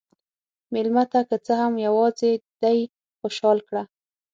مېلمه ته که څه هم یواځې دی، خوشحال کړه.